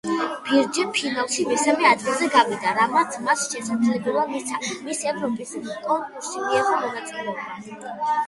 ბირჯე ფინალში მესამე ადგილზე გავიდა, რამაც მას შესაძლებლობა მისცა „მის ევროპის“ კონკურსში მიეღო მონაწილეობა.